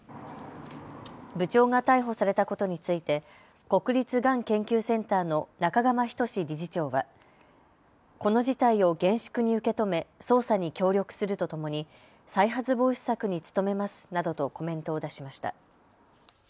部長が逮捕されたことについて国立がん研究センターの中釜斉理事長は、この事態を厳粛に受け止め捜査に協力するとともに再発防止策に努めますなどとコメントを出しました。